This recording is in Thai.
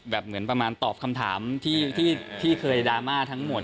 เหมือนประมาณตอบคำถามที่เคยดราม่าทั้งหมด